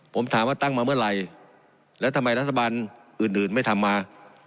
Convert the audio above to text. ผมถามว่าตั้งมาเมื่อไหร่แล้วทำไมรัฐบาลอื่นไม่ทำมา